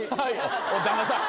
旦那さん。